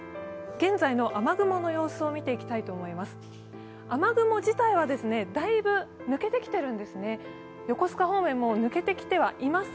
現在の雨雲の様子を見ていきたいと思います。